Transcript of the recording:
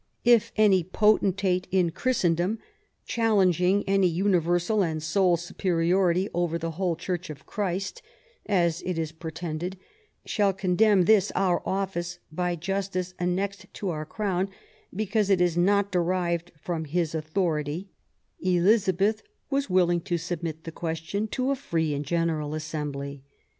If any potentate in Christendom, challenging any universal and sole superiority over the whole Church of Christ, as it is pretended, shall condemn this, our office by justice annexed to our Crown, because it is not derived from his authority," Elizabeth was willing to submit the question to a 136 QUEEN ELIZABETH. free and general assembly.